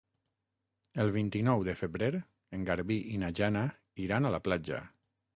El vint-i-nou de febrer en Garbí i na Jana iran a la platja.